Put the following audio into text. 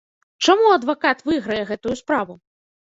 Чаму адвакат выйграе гэтую справу?